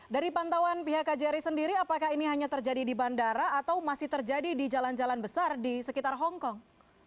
dari pantauan pihak kjri sendiri apakah ini hanya terjadi di bandara atau masih terjadi di jalan jalan besar di sekitar hongkong